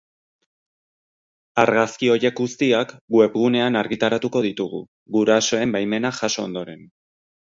Argazki horiek guztiak webgunean argitaratuko ditugu, gurasoen baimena jaso ondoren.